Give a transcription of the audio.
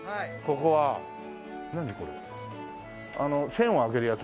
栓を開けるやつ？